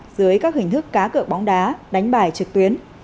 dưới các hình thức cá cực bóng đá đánh bạc trực tuyến